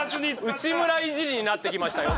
内村いじりになってきましたよ。